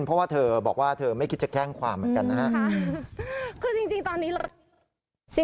เพราะว่าเธอบอกว่าเธอไม่คิดจะแจ้งความเหมือนกันนะครับ